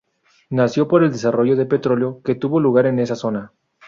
Nació por el desarrollo petrolero que tuvo lugar en esa zona.